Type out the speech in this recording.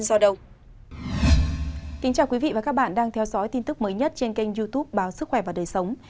xin chào quý vị và các bạn đang theo dõi tin tức mới nhất trên kênh youtube báo sức khỏe và đời sống